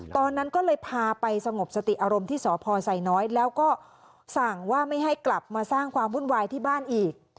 ตอนนั้นก็เลยพาไปสงบสติอารมณ์ที่สพไซน้อยแล้วก็สั่งว่าไม่ให้กลับมาสร้างความวุ่นวายที่บ้านอีก